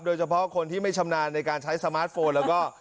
โดยเฉพาะคนที่ไม่ชำนาญในการใช้สมาร์ทโฟนแล้วก็